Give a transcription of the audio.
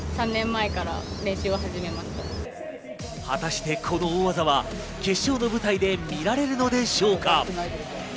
果たして、この大技は決勝の舞台で見られるのでしょうか。